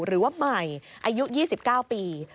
หรือว่าใหม่อายุ๒๙ปี